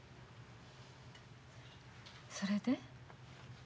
それで？